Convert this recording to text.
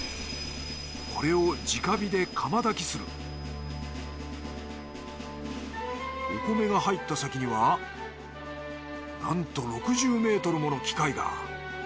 これを直火で釜炊きするお米が入った先にはなんと６０メートルもの機械が。